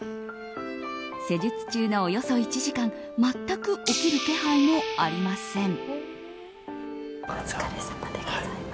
施術中のおよそ１時間全く起きる気配もありません。